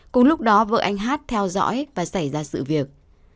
cùng lúc đó vợ anh hát theo dõi và xảy ra sự việc